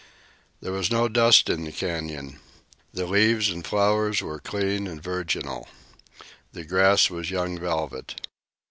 There was no dust in the canyon. The leaves and flowers were clean and virginal. The grass was young velvet.